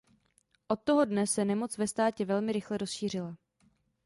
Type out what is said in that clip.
Od toho dne se nemoc ve státě velmi rychle rozšířila.